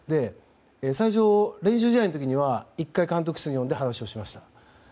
最初、練習試合の時には１回、監督室に呼んで話をしました。